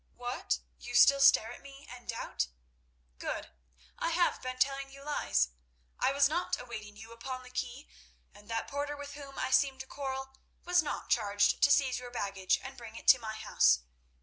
"What, you still stare at me and doubt? Good, I have been telling you lies. I was not awaiting you upon the quay, and that porter with whom I seemed to quarrel was not charged to seize your baggage and bring it to my house.